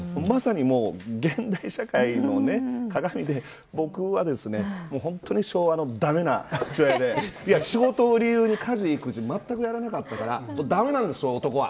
まさに現代社会のかがみで僕は本当に昭和の駄目な父親で仕事を理由に家事、育児まったくやらなかったから駄目なんですよ、男は。